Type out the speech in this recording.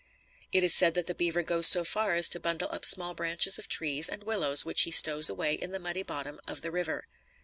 It is said that the beaver goes so far as to bundle up small branches of trees and willows which he stows away in the muddy bottom of the river.